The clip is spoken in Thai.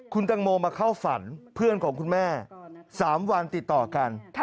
คุณตังโมมาเข้าฝันเพื่อนของคุณแม่๓วันติดต่อกัน